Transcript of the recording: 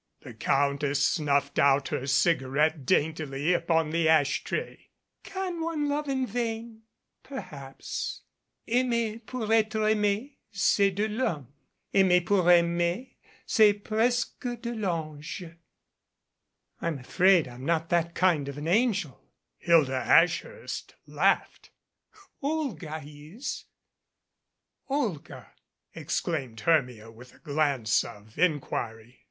The Countess snuffed out her cigarette daintily upon the ash tray. "Can one love in vain? Perhaps. 7 MADCAP " 'Aimer pour etre aime, c'est de Vhomme, Aimer pour aimer, c'est presque de range.' ' "I'm afraid I'm not that kind of an angel." Hilda Ashhurst laughed. "Olga is." "Olga !" exclaimed Hermia with a glance of inquiry.